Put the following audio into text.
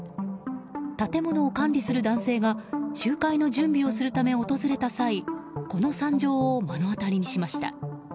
建物を管理する男性が集会の準備をするため訪れた際この惨状を目の当たりにしました。